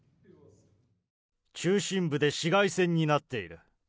中心部で市街戦になっている。